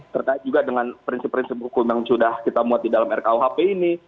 terkait juga dengan prinsip prinsip hukum yang sudah kita buat di dalam rkuhp ini